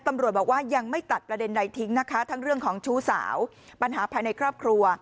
ตำรวจบอกว่ายังไม่ตัดประเด็นใดทิ้งนะคะทั้งเรื่องของชู้สาวปัญหาภายในครอบครัว